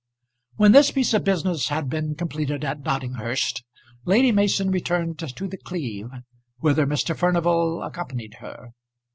When this piece of business had been completed at Doddinghurst, Lady Mason returned to The Cleeve, whither Mr. Furnival accompanied her.